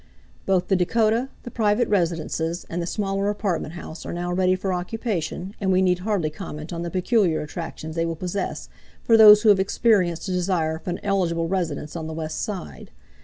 Both the Dakota, the private residences, and the smaller apartment house are now ready for occupation, and we need hardly comment on the peculiar attractions they will possess for those who have experienced a desire for an eligible residence on the west side.